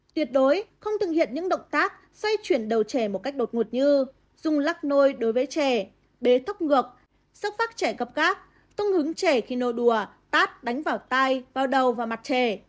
tuyệt đối không thực hiện những động tác xoay chuyển đầu trẻ một cách đột ngột như dung lắc nôi đối với trẻ bế thóc ngược sắc phát trẻ gập gác tương hứng trẻ khi nôi đùa tát đánh vào tay vào đầu và mặt trẻ